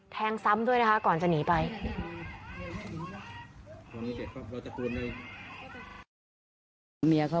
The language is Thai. แทงซ้ำด้วยนะคะก่อนจะหนีไป